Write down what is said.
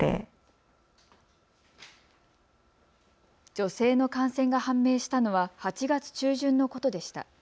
女性の感染が判明したのは８月中旬のことでした。